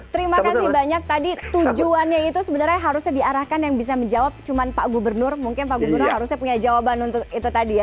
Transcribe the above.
terima kasih banyak tadi tujuannya itu sebenarnya harusnya diarahkan yang bisa menjawab cuma pak gubernur mungkin pak gubernur harusnya punya jawaban untuk itu tadi ya